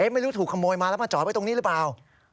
ไม่รู้ถูกขโมยมาแล้วมาจอดไว้ตรงนี้หรือเปล่า